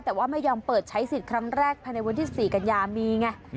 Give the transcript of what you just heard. แต่ว่าไม่ยอมเปิดใช้สิทธิ์ครั้งแรกภายในวันที่๑๔กันยามีไง